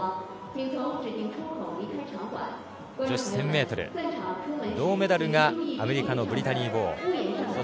女子１０００ｍ、銅メダルがアメリカのブリタニー・ボウ。